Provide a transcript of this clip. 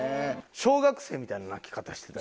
小学生みたいな泣き方してた。